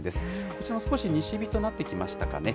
こちらも少し西日となってきましたかね。